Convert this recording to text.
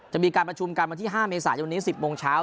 จะมีการประชุมกันวันที่๕เมษายนนี้๑๐โมงเช้า